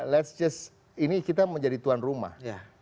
let's just ini kita mau jadi tuan rumah